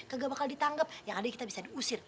kagak bakal ditangkap yang ada kita bisa diusir